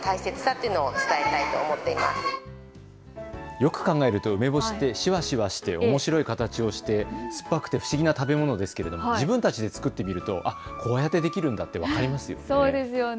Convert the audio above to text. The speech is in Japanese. よく考えると梅干しってシュワシュワしておもしろい形をして、すっぱくて不思議な食べ物ですけど自分たち作ってみるとこうやってできるんだと分かりますね。